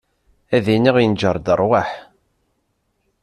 Ad iniɣ yenjer-d rwaḥ.